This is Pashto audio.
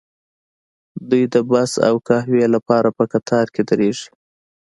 دوی د بس او قهوې لپاره په قطار کې دریږي